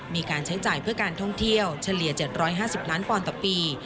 มีการใช้จ่ายเพื่อการท่องเที่ยวเฉลี่ย๗๕๐ล้านปอนด์ต่อปี